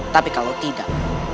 tapi kalau tidak